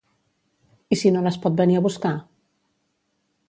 I si no les pot venir a buscar?